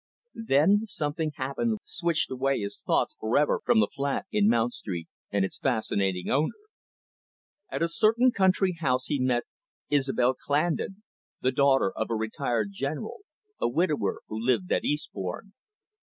Then something happened which switched away his thoughts for ever from the flat in Mount Street and its fascinating owner. At a certain country house he met Isobel Clandon, the daughter of a retired general, a widower who lived at Eastbourne.